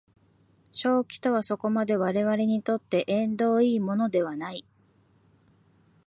狂気とはそこまで我々にとって縁遠いものではない。